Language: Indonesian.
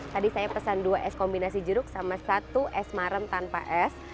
tadi saya pesan dua es kombinasi jeruk sama satu es marem tanpa es